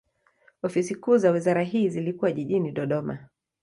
Ofisi kuu za wizara hii zilikuwa jijini Dodoma.